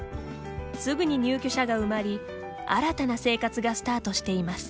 すぐに入居者が埋まり新たな生活がスタートしています。